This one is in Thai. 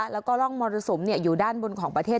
แล้วก็ร่องมอเตอร์สมเนี่ยอยู่ด้านบนของประเทศ